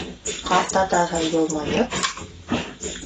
Ҡартатаһы йылмайып: